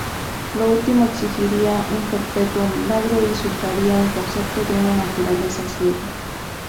Lo último exigiría un perpetuo milagro y resultaría un concepto de una naturaleza ciega.